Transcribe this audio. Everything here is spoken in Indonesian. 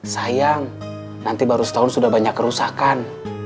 sayang nanti baru setahun sudah banyak kerusakan